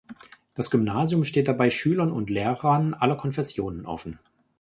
Das Gymnasium steht dabei Schülern und Lehrern aller Konfessionen offen.